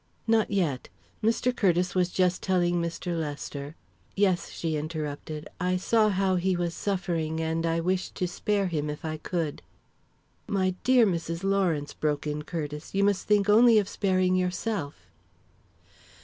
"Not yet. Mr. Curtiss was just telling Mr. Lester " "Yes," she interrupted, "I saw how he was suffering and I wished to spare him, if I could." "My dear Mrs. Lawrence," broke in Curtiss, "you must think only of sparing yourself."